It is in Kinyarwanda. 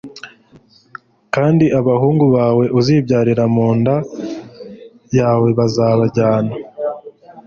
kandi abahungu bawe uzibyarira mu nda yawe bazabajyana